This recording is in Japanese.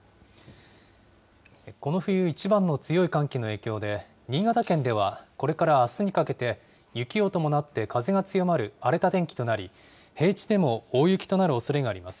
この冬一番の強い寒気の影響で、新潟県ではこれからあすにかけて、雪を伴って風が強まる荒れた天気となり、平地でも大雪となるおそれがあります。